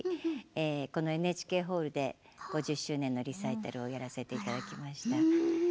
このＮＨＫホールで５０周年のリサイタルをやらせていただきました。